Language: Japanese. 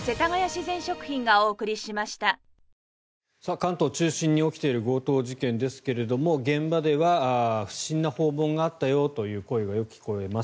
関東中心に起きている強盗事件ですが現場では不審な訪問があったよという声がよく聞こえます。